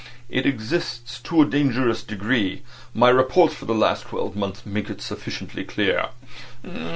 "It exists to a dangerous degree. My reports for the last twelve months make it sufficiently clear."